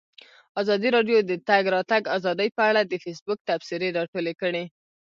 ازادي راډیو د د تګ راتګ ازادي په اړه د فیسبوک تبصرې راټولې کړي.